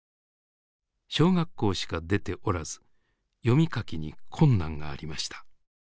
小学校しか出ておらず読み書きに困難がありました。